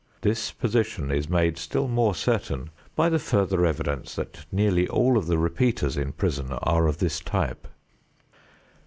This position is made still more certain by the further evidence that nearly all of the repeaters in prison are of this type.